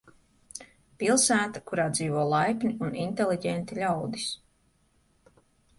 Pilsēta, kurā dzīvo laipni un inteliģenti ļaudis.